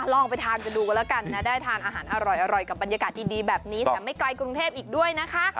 ลองไปทานกันดูกันแล้วกันนะได้ทานอาหารอร่อยกับบรรยากาศดีแบบนี้แต่ไม่ไกลกรุงเทพอีกด้วยนะคะ